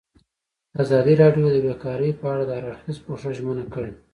ازادي راډیو د بیکاري په اړه د هر اړخیز پوښښ ژمنه کړې.